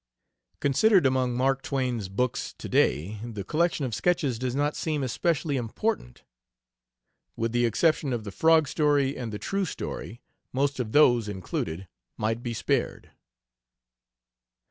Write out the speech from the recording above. Considered among Mark Twain's books to day, the collection of sketches does not seem especially important. With the exception of the frog story and the "True Story" most of those included might be spared.